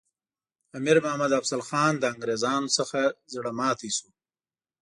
امیر محمد افضل خان له انګریزانو څخه زړه ماتي شو.